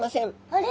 あれ？